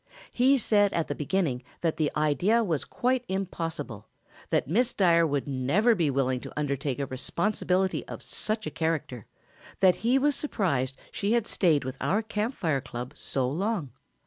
"He said at the beginning that the idea was quite impossible, that Miss Dyer would never be willing to undertake a responsibility of such a character, that he was surprised she had stayed with our Camp Fire club so long.